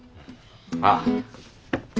ああ。